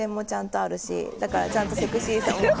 だからちゃんとセクシーさを。